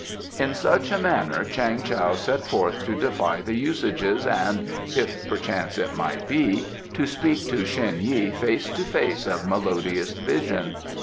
In such a manner Chang Tao set forth to defy the Usages and if perchance it might be to speak to Shen Yi face to face of Melodious Vision.